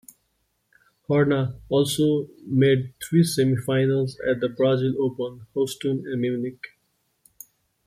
Horna also made three semi finals at the Brazil Open, Houston and Munich.